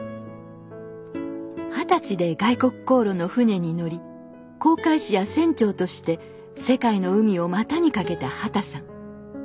二十歳で外国航路の船に乗り航海士や船長として世界の海を股に掛けた畑さん。